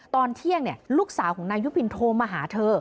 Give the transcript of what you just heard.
ตอนเที่ยงลูกสาวของนายยุพินโทรมาหาเธอ